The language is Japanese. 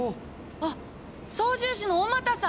あっ操縦士の小俣さん！